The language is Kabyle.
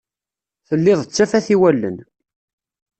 Telliḍ d tafat i wallen.